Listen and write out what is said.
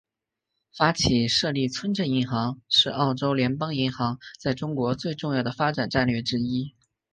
发起设立村镇银行是澳洲联邦银行在中国最重要的发展战略之一。